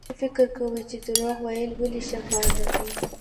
څه فکر کوئ چې دروغ ويل ولې ښه کار نه دی؟